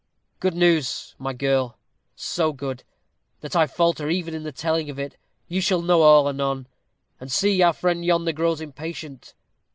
"Good news, my girl; so good, that I falter even in the telling of it. You shall know all anon. And see, our friend yonder grows impatient.